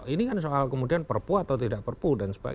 ini kan soal kemudian perpu atau tidak perpu